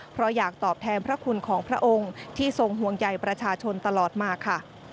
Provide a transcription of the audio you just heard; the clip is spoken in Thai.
เพราะอยากตอบแทนพระคุณของพระองค์ที่ทรงห่วงใยประชาชนตลอดมาค่ะ